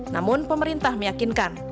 namun pemerintah meyakinkan